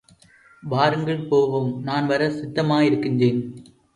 வாருங்கள் போவோம் நான் வர சித்தமாயிருக்கின்றேன்.